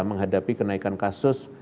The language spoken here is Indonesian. menghadapi kenaikan kasus